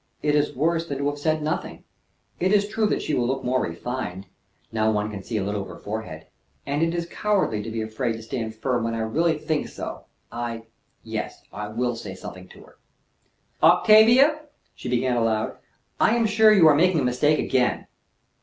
"It is worse than to have said nothing. It is true that she will look more refined, now one can see a little of her forehead; and it is cowardly to be afraid to stand firm when I really think so. I yes, I will say something to her." "Octavia," she began aloud, "I am sure you are making a mistake again."